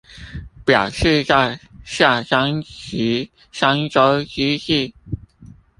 表示在夏商及商周之際